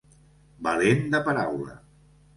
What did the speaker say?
Valent de paraula.